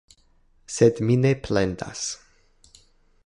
Sed mi ne plendas.